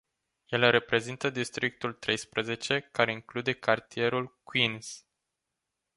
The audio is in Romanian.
El reprezintă districtul treisprezece, care include cartierul Queens.